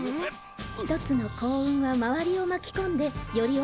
一つの幸運は周りを巻きこんでより大きな幸せを生む。